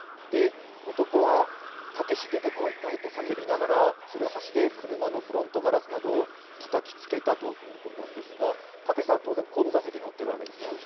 男は「たけし出てこい」などと叫びながらつるはしで車のフロントガラスなどをたたきつけたということですがたけしさんは当然、後部座席に乗っているわけですね。